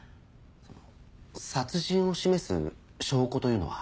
その殺人を示す証拠というのは？